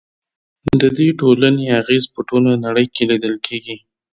د دې ټولنې اغیز په ټوله نړۍ کې لیدل کیږي.